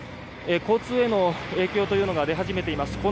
交通への影響というのが出始めています。